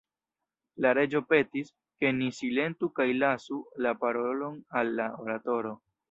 La Reĝo petis, ke ni silentu kaj lasu la parolon al la oratoro.